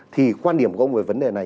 thì quan điểm của ông về vấn đề này